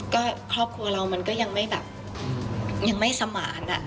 ก็ครอบครัวเรามันก็ยังไม่แบบยังไม่สมานอะ